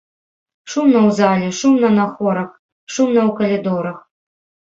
Шумна ў зале, шумна на хорах, шумна ў калідорах.